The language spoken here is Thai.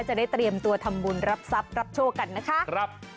จะได้เตรียมตัวทำบุญรับทรัพย์รับโชคกันนะคะ